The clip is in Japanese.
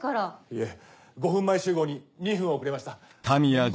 いえ５分前集合に２分遅れました面目ない。